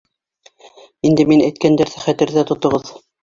Инде мин әйткәндәрҙе хәтерҙә тотоғоҙ.